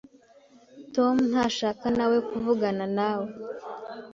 Tom ntashaka nawe kuvugana nawe.